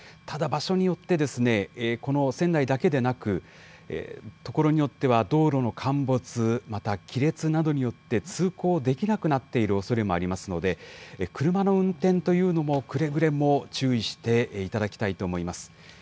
ただ場所によってですね、この仙台だけでなく、所によっては道路の陥没、また亀裂などによって、通行できなくなっているおそれもありますので、車の運転というのもくれぐれも注意していただきたいと思います。